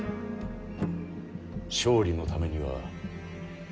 勝利のためには。